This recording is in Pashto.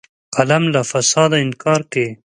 قلم له فساده انکار کوي